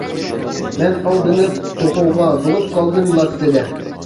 مەن ئالدىنىپ توخۇغا، بولۇپ قالدىم لاسسىدە.